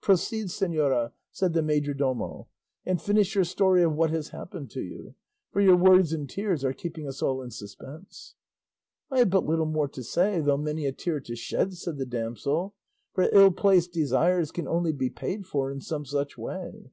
"Proceed, señora," said the majordomo, "and finish your story of what has happened to you, for your words and tears are keeping us all in suspense." "I have but little more to say, though many a tear to shed," said the damsel; "for ill placed desires can only be paid for in some such way."